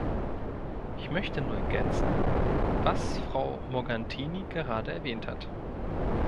Ich möchte nur ergänzen, was Frau Morgantini gerade erwähnt hat.